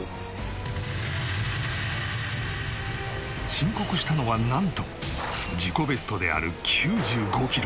申告したのはなんと自己ベストである９５キロ。